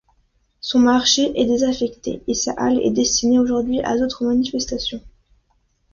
Son marché est désaffecté et sa halle est destinée aujourd'hui à des d'autres manifestations.